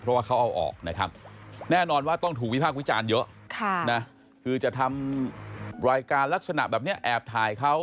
เพราะว่าเขาเอาออกนะครับแน่นอนว่าต้องถูกวิพากษ์วิจารณ์เยอะคือจะทำรายการลักษณะแบบนี้แอบถ่ายเขา